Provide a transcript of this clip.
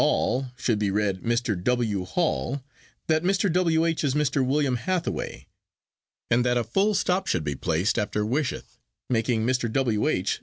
all" should be read "Mr. W. Hall"; that Mr. W. H. is Mr. William Hathaway; and that a full stop should be placed after "wisheth," making Mr. W. H.